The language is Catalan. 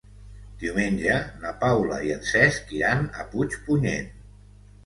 Diumenge na Paula i en Cesc iran a Puigpunyent.